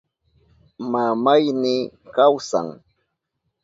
Mamayni kawsan.